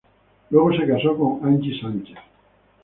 Luego se casó con Angie Sánchez.